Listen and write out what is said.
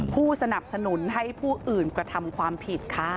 ผู้สนับสนุนให้ผู้อื่นกระทำความผิดค่ะ